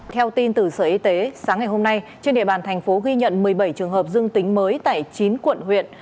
theo tin từ sở y tế sáng ngày hôm nay trên địa bàn thành phố ghi nhận một mươi bảy trường hợp dương tính mới tại chín quận huyện